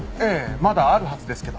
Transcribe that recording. まだあるはずですけど。